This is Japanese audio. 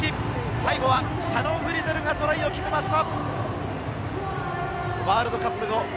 最後はシャノン・フリゼルがトライを決めました！